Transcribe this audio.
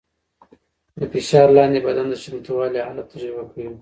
د فشار لاندې بدن د چمتووالي حالت تجربه کوي.